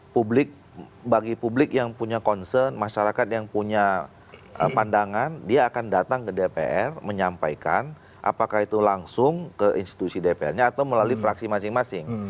publik bagi publik yang punya concern masyarakat yang punya pandangan dia akan datang ke dpr menyampaikan apakah itu langsung ke institusi dpr nya atau melalui fraksi masing masing